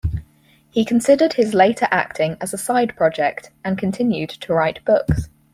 He considered his later acting as a side project and continued to write books.